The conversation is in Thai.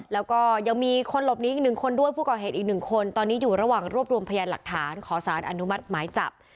แล้วก็ยังมีคนหลบนี้อีกหนึ่งคนด้วยผู้ก่อเหตุอีกหนึ่งคนตอนนี้อยู่ระหว่างรวบรวมพยานหลักฐานขอสารอนุมัติหมายจับ